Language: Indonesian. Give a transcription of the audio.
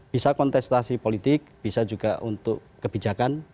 bisa kontestasi politik bisa juga untuk kebijakan